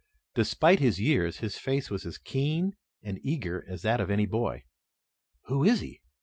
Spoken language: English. Despite his years, his face was as keen and eager as that of any boy. "Who is he?"